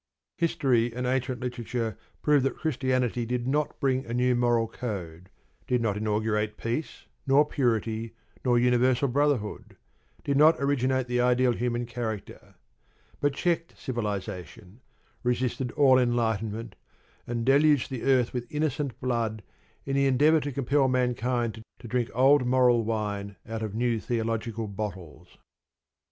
History and ancient literature prove that Christianity did not bring a new moral code, did not inaugurate peace, nor purity, nor universal brotherhood, did not originate the ideal human character: but checked civilisation, resisted all enlightenment, and deluged the earth with innocent blood in the endeavour to compel mankind to drink old moral wine out of new theological bottles.